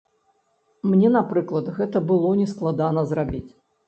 Мне, напрыклад, гэта было не складана зрабіць.